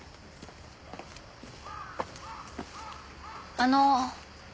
あの。